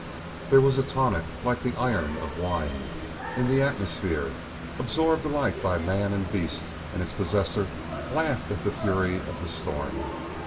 There was a tonic like the iron of wine in the atmosphere, absorbed alike by man and beast, and its possessor laughed at the fury of the storm.